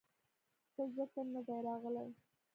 څۀ ذکر نۀ دے راغلے